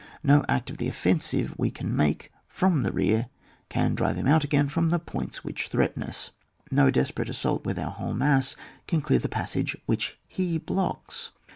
No act of the offensive which we can make from the rear can drive him out again from the points which threaten us; no desperate assault with our whole mass can clear the pas sage which he hlocks.